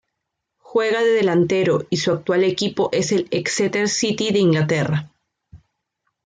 Juega de delantero y su actual equipo es el Exeter City de Inglaterra.